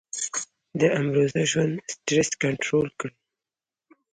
د امروزه ژوند سټرېس کنټرول کړي -